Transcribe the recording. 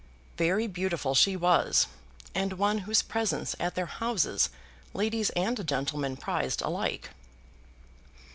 Very beautiful she was, and one whose presence at their houses ladies and gentlemen prized alike.